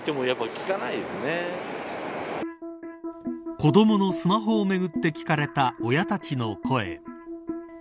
子どものスマホをめぐって聞かれた親たちの声。